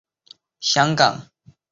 香港主要的花卉市场则有旺角花墟。